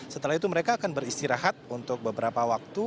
setelah itu mereka akan beristirahat untuk beberapa waktu